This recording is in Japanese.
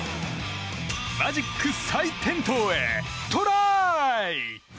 マジック再点灯へトライ！